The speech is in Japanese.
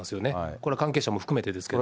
これ、関係者も含めてですけれども。